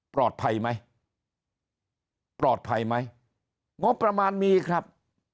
ปลอดภัยไหมปลอดภัยไหมงบประมาณมีครับ